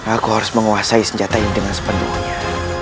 aku harus menguasai senjata ini dengan sepenuhnya